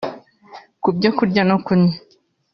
ku byo kurya no kunywa